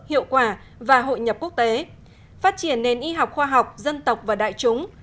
hiệu quả và hội nhập quốc tế phát triển nền y học khoa học dân tộc và đại chúng